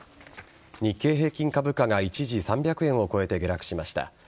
日経平均株価が一時３００円を超えて下落しました。